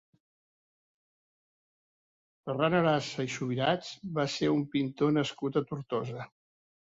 Ferran Arasa i Subirats va ser un pintor nascut a Tortosa.